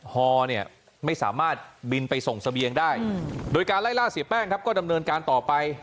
ฮอเนี่ยไม่สามารถบินไปส่งเสบียงได้โดยการไล่ล่าเสียแป้งครับก็ดำเนินการต่อไป